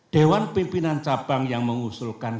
dewan pimpinan cabang yang mengusulkan